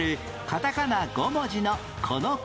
カタカナ５文字のこの言葉は？